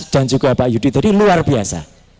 juga pak yudi tadi luar biasa